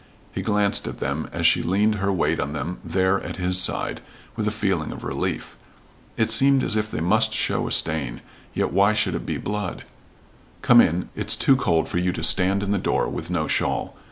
He glanced at them as she leaned her weight on them there at his side, with a feeling of relief. It seemed as if they must show a stain, yet why should it be blood? "Come in. It's too cold for you to stand in the door with no shawl.